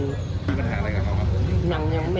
มีปัญหาอะไรกับเขาครับผม